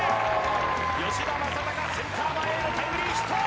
吉田正尚、センター前へのタイムリーヒット！